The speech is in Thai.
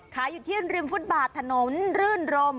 ขายอยู่ที่ริมฟุตบาทถนนรื่นรม